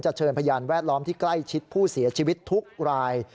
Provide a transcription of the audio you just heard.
เชิญพยานแวดล้อมที่ใกล้ชิดผู้เสียชีวิตทุกราย